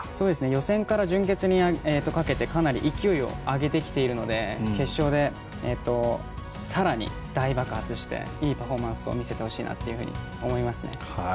予選から準決勝にかけてかなり勢いを上げてきているので決勝でさらに大爆発していいパフォーマンスを見せてほしいなと思いますね。